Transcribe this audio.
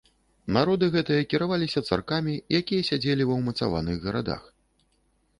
Народы гэтыя кіраваліся царкамі, якія сядзелі ва ўмацаваных гарадах.